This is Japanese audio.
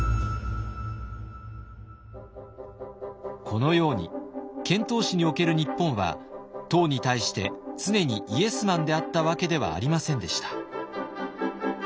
このように遣唐使における日本は唐に対して常にイエスマンであったわけではありませんでした。